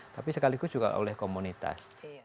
tapi sekaligus juga oleh komunitas